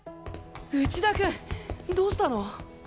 内田君どうしたの？